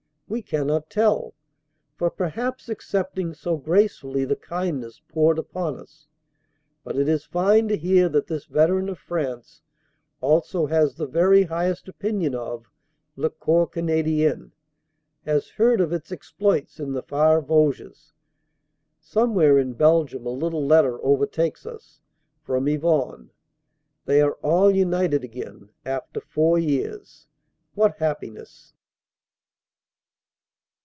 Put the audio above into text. We cannot tell; for perhaps accepting so gracefully the kindnesses poured upon us. But it is fine to hear that this veteran of France also has the very highest opinion of "le Corps Canadien"; has heard of its exploits in the far Vosges. Somewhere in Belgium a little letter overtakes us from Yvonne. They are all united again, after four years what happiness!